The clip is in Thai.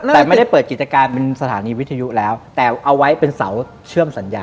แต่ไม่ได้เปิดกิจการเป็นสถานีวิทยุแล้วแต่เอาไว้เป็นเสาเชื่อมสัญญา